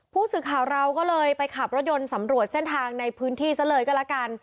ผู้สื่อข่าวเราก็เลยไปขับรถยนต์สำรวจเส้นทางในพื้นที่ซะเลยก็แล้วกัน